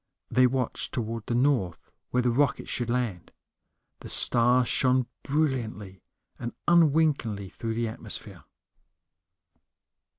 They watched toward the north, where the rocket should land. The stars shone brilliantly and unwinkingly through the atmosphere.